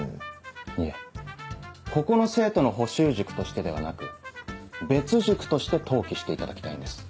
いえここの生徒の補習塾としてではなく別塾として登記していただきたいんです。